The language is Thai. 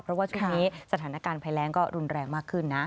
เพราะว่าช่วงนี้สถานการณ์ภัยแรงก็รุนแรงมากขึ้นนะ